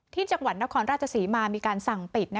ที่จังหวัดนครราชศรีมามีการสั่งปิด